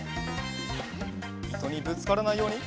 いとにぶつからないように。